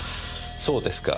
そうですか。